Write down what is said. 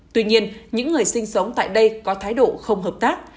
tuy nhiên những người sinh sống tại đây có thái độ không hợp tác